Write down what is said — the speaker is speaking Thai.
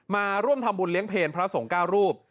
มาร่วมทำบุญเลี้ยงเพลพระสงฆ์๙รูป